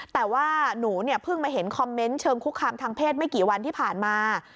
แต่ว่าหนูเนี่ยเพิ่งมาเห็นคอมเมนต์เชิงคุกคามทางเพศไม่กี่วันที่ผ่านมา